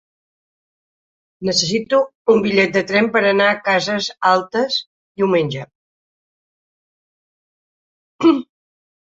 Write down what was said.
Necessito un bitllet de tren per anar a Cases Altes diumenge.